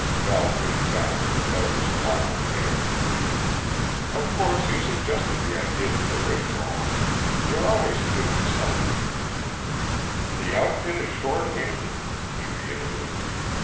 Val pushed back the rebellious lock of hair. "Of course you suggested the idea to the Wishbone. You're always doing something " "The outfit is short handed," he reiterated.